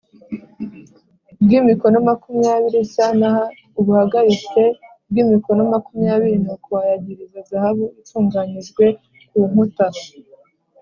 Bw imikono makumyabiri s n ubuhagarike bw imikono makumyabiri nuko ayagiriza zahabu itunganyijwe ku nkuta